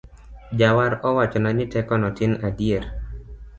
Jawar owachona ni teko notin adier